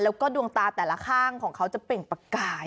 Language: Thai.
แล้วก็ดวงตาแต่ละข้างของเขาจะเปล่งประกาย